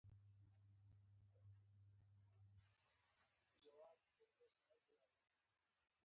هغوی د غروب پر لرګي باندې خپل احساسات هم لیکل.